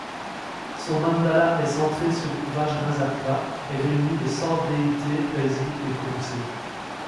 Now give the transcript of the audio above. Son Mandala est centré sur Vajrasattva et réunit les cent déités paisibles et courroucées.